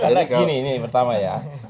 karena gini ini pertama ya